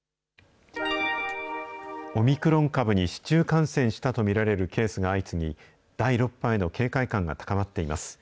オミクロン株に市中感染したと見られるケースが相次ぎ、第６波への警戒感が高まっています。